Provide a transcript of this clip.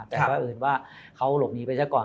แต่เพราะเอิญว่าเขาหลบหนีไปซะก่อน